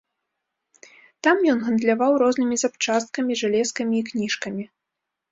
Там ён гандляваў рознымі запчасткамі, жалезкамі і кніжкамі.